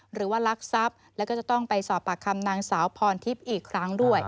ลักทรัพย์แล้วก็จะต้องไปสอบปากคำนางสาวพรทิพย์อีกครั้งด้วย